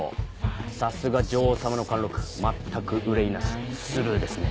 さすが女王様の貫禄全く憂いなしスルーですね。